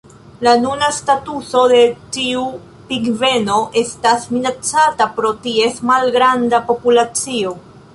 La nuna statuso de tiu pingveno estas minacata pro ties malgranda populacio.